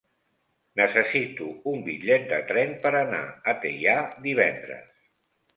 Necessito un bitllet de tren per anar a Teià divendres.